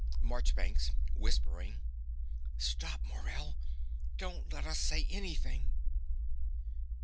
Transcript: MARCHBANKS (whispering). Stop Morell. Don't let us say anything.